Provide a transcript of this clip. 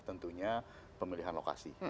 tentunya pemilihan lokasi